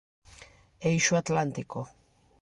Eixo Atlántico.